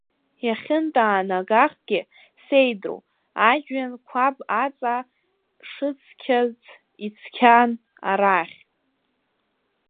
Иахьынтәаанагахгьы сеидру, ажәҩан қәаб аҵа шыцқьац ицқьан арахь.